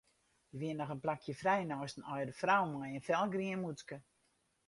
Der wie noch in plakje frij neist in âlde frou mei in felgrien mûtske.